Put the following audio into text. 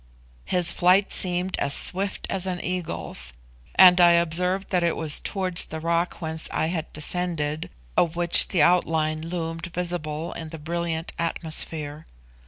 His flight seemed as swift as an eagle's; and I observed that it was towards the rock whence I had descended, of which the outline loomed visible in the brilliant atmosphere.